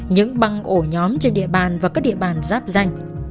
những băng ổ nhóm trên địa bàn và các địa bàn giáp danh